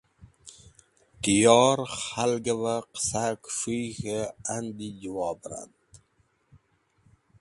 Tiyor Khalgve Qasahe Kus̃huy k̃he yandi Jawob rand